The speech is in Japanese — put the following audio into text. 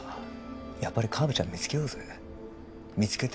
やっぱり河部ちゃん見つけようぜ見つけて